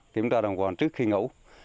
kiểm tra đồng quần trước khi ngủ